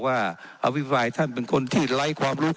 เจ้าหน้าที่ของรัฐมันก็เป็นผู้ใต้มิชชาท่านนมตรี